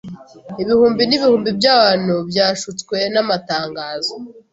Ibihumbi n'ibihumbi by'abantu bashutswe n'amatangazo.